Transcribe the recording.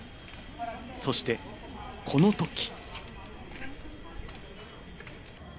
そして、このとき。